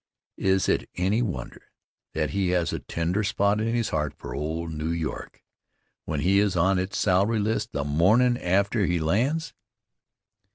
Is it any wonder that he has a tender spot in his heart for old New York when he is on its salary list the mornin' after he lands?